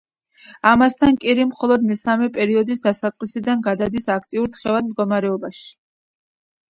ამასთან, კირი მხოლოდ მესამე პერიოდის დასაწყისიდან გადადის აქტიურ თხევად მდგომარეობაში.